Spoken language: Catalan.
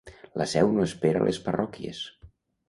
La Seu no espera les parròquies.